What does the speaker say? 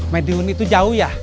mediun itu jauh ya